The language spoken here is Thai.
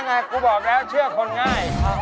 ไงกูบอกแล้วเชื่อคนง่าย